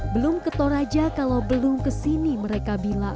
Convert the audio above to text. belum ke toraja kalau belum kesini mereka bilang